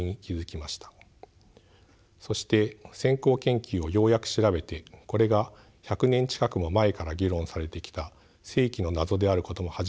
そして先行研究をようやく調べてこれが１００年近くも前から議論されてきた世紀の謎であることも初めて知りました。